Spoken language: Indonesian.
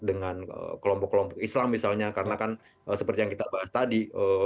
dengan kelompok kelompok islam misalnya karena kan seperti yang kita bahas tadi